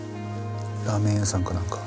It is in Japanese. ラーメン屋さんかなんか。